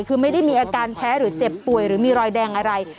คือไม่ได้มีอาการแพ้หรือเจ็บป่วยหรือมีรอยแดงอะไร